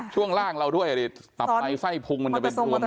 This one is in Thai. ช่วงล่างเราด้วยตับไซ่พุงมันจะเป็นตัวมนุษย์